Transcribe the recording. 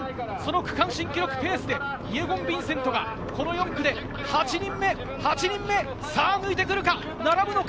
区間新記録ペースでイェゴン・ヴィンセントがこの４区で８人目、８人目。さぁ抜いてくるか、並ぶのか？